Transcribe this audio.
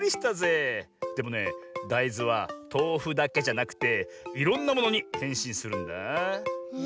でもねだいずはとうふだけじゃなくていろんなものにへんしんするんだ。え？